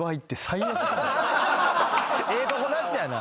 ええとこなしやな。